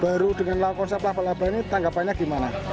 baru dengan konsep laba laba ini tanggapannya gimana